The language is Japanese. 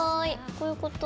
こういうこと？